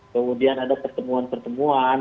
kemudian ada pertemuan pertemuan